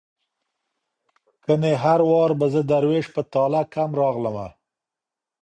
کنې هر وار به زه دروېش په تاله کم راغلمه